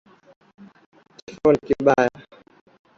Kifo ni kibaya